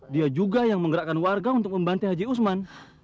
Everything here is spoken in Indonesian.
dia juga yang menggerakkan warga untuk membantai haji usman